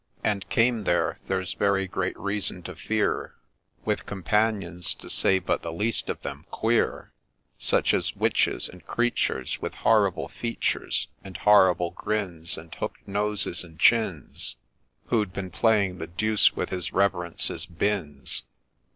And came there, there 's very great reason to fear, With companions, — to say but the least of them, — queer ; Such as Witches, and creatures With horrible features, And horrible grins, And hook'd noses and chins, Who'd been playing the deuce with his Reverence's binns.'